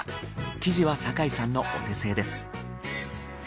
生地は酒井さんのお手製です。